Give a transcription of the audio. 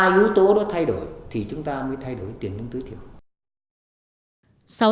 hai yếu tố đó thay đổi thì chúng ta mới thay đổi tiền lương tối thiểu